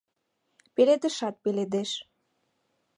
Пеледышат пеледеш.